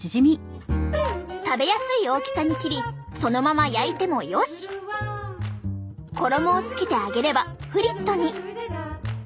食べやすい大きさに切りそのまま焼いてもよし衣をつけて揚げればフリットに。